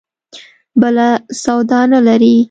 بله سودا نه لري.